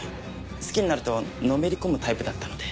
好きになるとのめり込むタイプだったので。